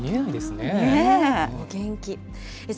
お元気。